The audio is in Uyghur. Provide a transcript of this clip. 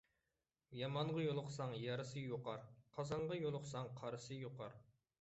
يامانغا يۇلۇقساڭ يارىسى يۇقار، قازانغا يۇلۇقساڭ قارىسى يۇقار.